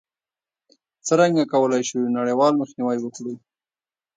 څرنګه کولای شو نړیوال مخنیوی وکړو؟